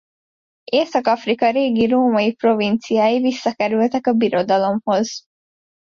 Észak-Afrika régi római provinciái visszakerültek a Birodalomhoz.